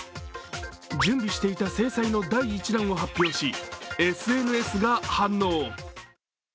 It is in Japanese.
準備していた制裁の第１弾を発表しＳＮＳが反応。